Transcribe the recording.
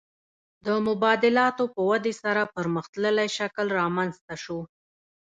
د مبادلاتو په ودې سره پرمختللی شکل رامنځته شو